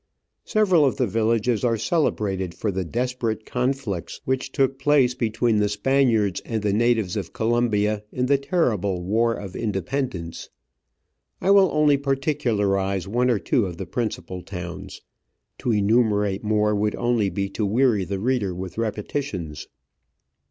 Several of the villages are celebrated for the desperate conflicts which took place between the Spaniards and the natives of Colombia in the terrible War of Independence. I will only particularise one or two of the principal towns; to enumerate more would only be to weary the reader with repetitions.